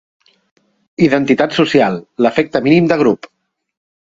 Identitat Social: l'efecte mínim de grup.